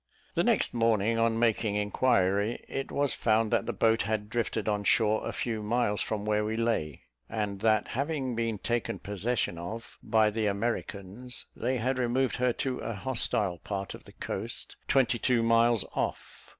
The next morning, on making inquiry, it was found that the boat had drifted on shore a few miles from where we lay; and that having been taken possession of by the Americans, they had removed her to a hostile part of the coast, twenty two miles off.